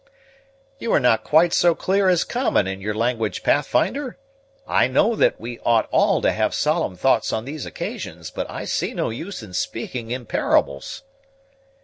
"You are not quite so clear as common in your language, Pathfinder. I know that we ought all to have solemn thoughts on these occasions, but I see no use in speaking in parables."